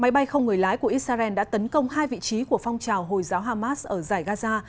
máy bay không người lái của israel đã tấn công hai vị trí của phong trào hồi giáo hamas ở giải gaza